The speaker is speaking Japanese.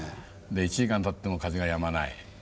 １時間たっても風がやまない。